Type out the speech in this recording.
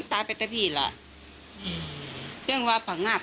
เมื่อลี่ต้องตีใจที่มันเลย